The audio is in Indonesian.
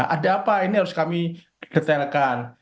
ada apa ini harus kami detailkan